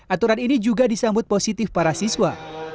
aturan ini juga disambut positif para siswa